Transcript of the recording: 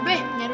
peh nyari dia